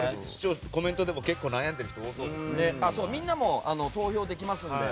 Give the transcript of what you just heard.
コメントでも結構、悩んでる人多そうですね。